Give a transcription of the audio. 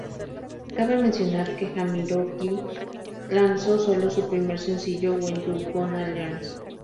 Cabe mencionar que Jamiroquai lanzó sólo su primer sencillo "When You Gonna Learn?